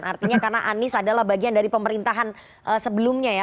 artinya karena anies adalah bagian dari pemerintahan sebelumnya ya